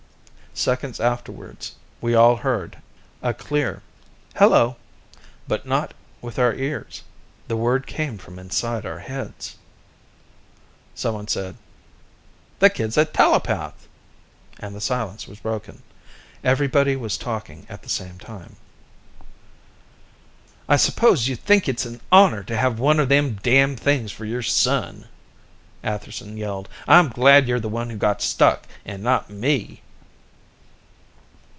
Seconds afterwards, we all heard, a clear "Hello," but not with our ears; the word came from inside our heads. Someone said: "The kid's a telepath," and the silence was broken. Everybody was talking at the same time. "I suppose you think it's an honor to have one of them damn things for your son," Atherson yelled. "I'm glad you're the one who got stuck, and not me."